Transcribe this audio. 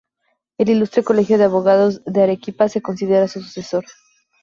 El Ilustre Colegio de Abogados de Arequipa se considera su sucesor.